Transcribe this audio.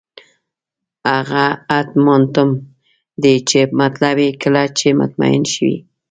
هغه اطماننتم دی چې مطلب یې کله چې مطمئن شوئ.